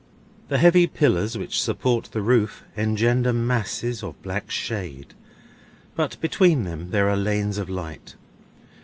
The heavy pillars which support the roof engender masses of black shade, but between them there are lanes of light.